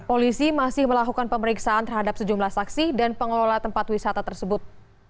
polisi masih melakukan pemeriksaan terhadap sejumlah saksi dan pengelola tempat wisata tersebut